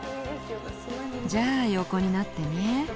じゃあ、横になってね。